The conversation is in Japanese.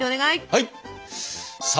はい！